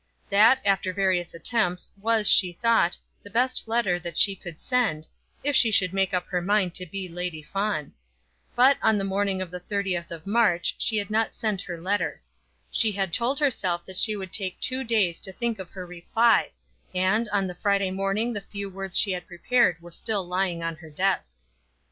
That, after various attempts, was, she thought, the best letter that she could send, if she should make up her mind to be Lady Fawn. But, on the morning of the 30th of March she had not sent her letter. She had told herself that she would take two days to think of her reply, and, on the Friday morning the few words she had prepared were still lying in her desk.